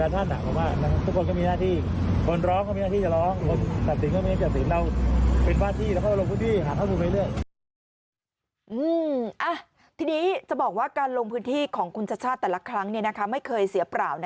ทีนี้จะบอกว่าการลงพื้นที่ของคุณชัชชาติแต่ละครั้งไม่เคยเสียเปล่า